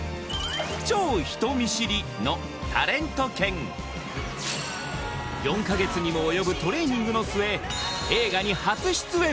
「超人見知り」のタレント犬４か月にも及ぶトレーニングの末映画に初出演！